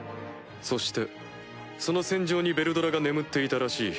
そしてその戦場にヴェルドラが眠っていたらしい。